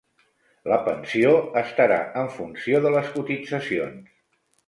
La pensió estarà en funció de les cotitzacions.